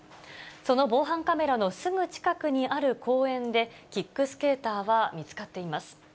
その防犯カメラのすぐ近くにある公園で、キックスケーターは見つかっています。